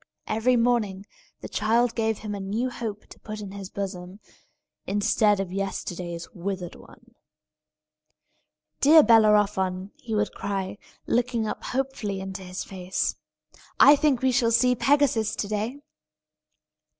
Every morning the child gave him a new hope to put in his bosom, instead of yesterday's withered one. "Dear Bellerophon," he would cry, looking up hopefully into his face, "I think we shall see Pegasus to day!"